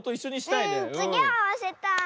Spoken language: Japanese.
うんつぎあわせたい。